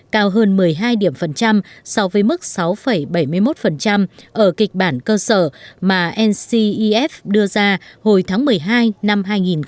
cao hơn một mươi hai điểm phần trăm so với mức sáu bảy mươi một ở kịch bản cơ sở mà ncef đưa ra hồi tháng một mươi hai năm hai nghìn một mươi tám